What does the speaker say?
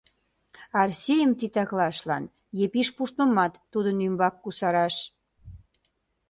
Арсийым титаклашлан Епиш пуштмымат тудын ӱмбак кусараш.